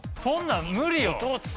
そんなん無理よ。